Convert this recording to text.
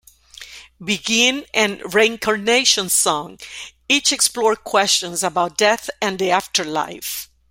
"Begin" and "Reincarnation Song" each explore questions about death and the afterlife.